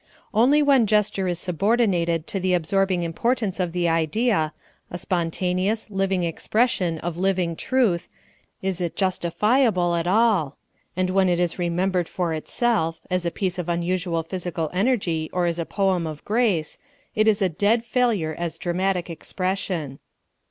Only when gesture is subordinated to the absorbing importance of the idea a spontaneous, living expression of living truth is it justifiable at all; and when it is remembered for itself as a piece of unusual physical energy or as a poem of grace it is a dead failure as dramatic expression.